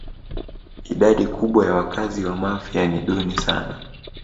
Idadi kubwa ya wakazi wa Mafia ni duni sana